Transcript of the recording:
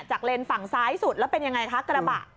เลนส์ฝั่งซ้ายสุดแล้วเป็นยังไงคะกระบะ